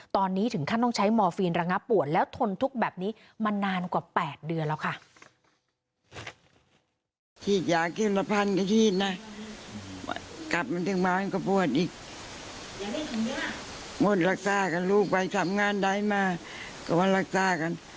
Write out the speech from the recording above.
ตอนนี้ถึงขั้นต้องใช้มอร์ฟีนระงับปวดแล้วทนทุกข์แบบนี้มานานกว่า๘เดือนแล้วค่ะ